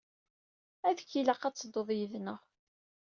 Ad k-ilaq ad tedduḍ yid-neɣ.